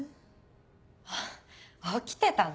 あっ起きてたの？